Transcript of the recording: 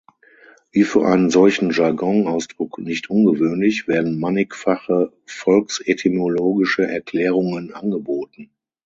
Wie für einen solchen Jargon-Ausdruck nicht ungewöhnlich, werden mannigfache volksetymologische Erklärungen angeboten.